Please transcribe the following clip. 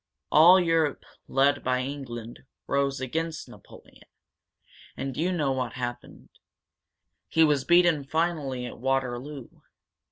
All Europe, led by England, rose against Napoleon. And you know what happened. He was beaten finally at Waterloo.